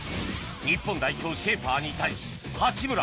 日本代表シェーファーに対し八村